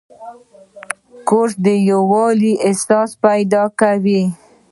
کورس د یووالي احساس پیدا کوي.